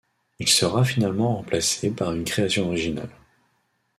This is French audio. Il sera finalement remplacé par une création originale.